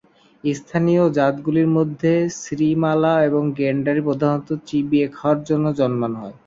স্থানীয় জাতগুলির মধ্যে মিশ্রিমালা এবং গেন্ডারি প্রধানত চিবিয়ে খাওয়ার জন্যই জন্মানো হয়।